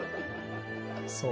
そう。